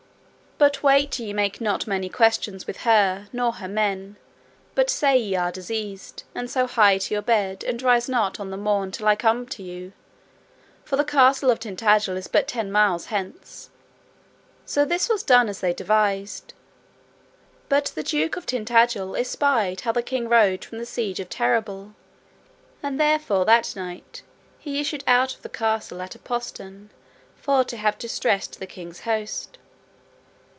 But wait ye make not many questions with her nor her men, but say ye are diseased, and so hie you to bed, and rise not on the morn till I come to you, for the castle of Tintagil is but ten miles hence; so this was done as they devised. But the duke of Tintagil espied how the king rode from the siege of Terrabil, and therefore that night he issued out of the castle at a postern for to have distressed the king's host.